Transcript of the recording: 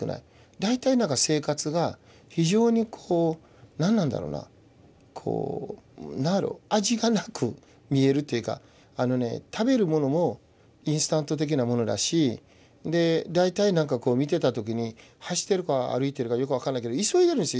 大体生活が非常にこう何なんだろうなこう味がなく見えるというかあのね食べるものもインスタント的なものだしで大体なんか見てた時に走ってるか歩いてるかよく分かんないけど急いでるんですよ